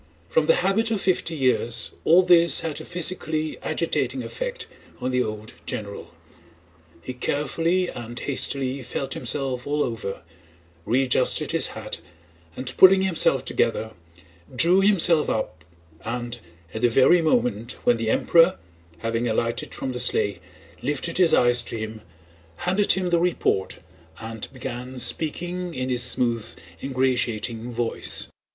From the habit of fifty years all this had a physically agitating effect on the old general. He carefully and hastily felt himself all over, readjusted his hat, and pulling himself together drew himself up and, at the very moment when the Emperor, having alighted from the sleigh, lifted his eyes to him, handed him the report and began speaking in his smooth, ingratiating voice.